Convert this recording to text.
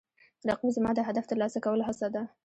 رقیب زما د هدف ترلاسه کولو هڅه ده